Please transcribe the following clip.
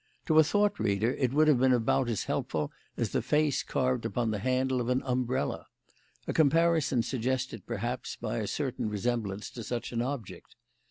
To a thought reader it would have been about as helpful as the face carved upon the handle of an umbrella; a comparison suggested, perhaps, by a certain resemblance to such an object.